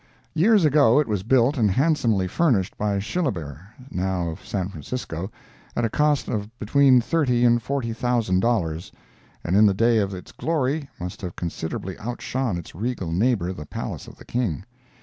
Years ago it was built and handsomely furnished by Shillaber, now of San Francisco, at a cost of between thirty and forty thousand dollars, and in the day of its glory must have considerably outshone its regal neighbor, the palace of the king.